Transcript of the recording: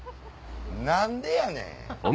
何でやねん。